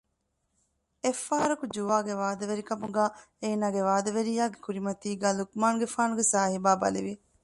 އެއްފަހަރަކު ޖުވާގެ ވާދަވެރިކަމުގައި އޭނާގެ ވާދަވެރިޔާގެ ކުރިމަތީގައި ލުޤުމާނުގެފާނުގެ ސާހިބާ ބަލިވި